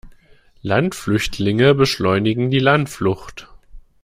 Landflüchtlinge beschleunigen die Landflucht.